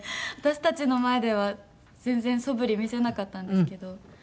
私たちの前では全然そぶり見せなかったんですけど